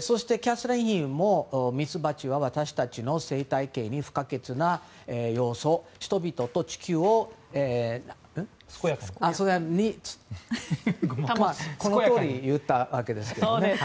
そして、キャサリン妃もミツバチは私たちの生態系に不可欠な要素人々と地球を健やかにと言ったわけですね。